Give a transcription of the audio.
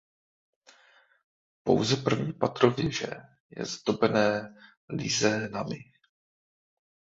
Pouze první patro věže je zdobené lizénami.